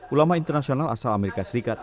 ulama internasional asal amerika serikat